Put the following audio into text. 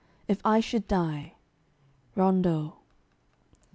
IF I SHOULD DIE. RONDEAU.